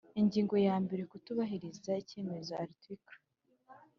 Ingingo ya mbere Kutubahiriza icyemezo Article